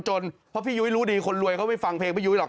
จนเพราะพี่ยุ้ยรู้ดีคนรวยเขาไม่ฟังเพลงพี่ยุ้ยหรอก